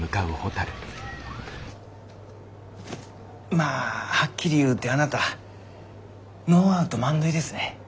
まあはっきり言うてあなたノーアウト満塁ですね。